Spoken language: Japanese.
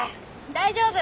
大丈夫。